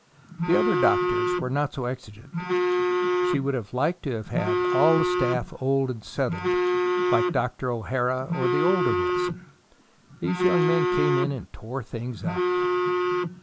The other doctors were not so exigent. She would have liked to have all the staff old and settled, like Dr. O'Hara or the older Wilson. These young men came in and tore things up.